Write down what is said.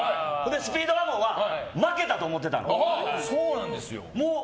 スピードワゴンは負けたと思ってたの。